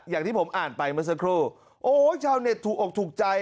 อย่างที่ผมอ่านไปเมื่อสักครู่โอ้โหชาวเน็ตถูกอกถูกใจ